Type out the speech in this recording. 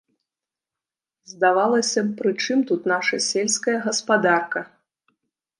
Здавалася б, прычым тут наша сельская гаспадарка.